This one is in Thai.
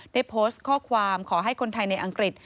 ได้โพสต์ข้อความขอให้คนไทยในอังกฤษ